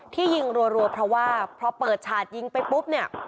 ที่ยิงรัวเพราะว่าพอเปิดฉาดยิงไปปุ๊บเนี่ย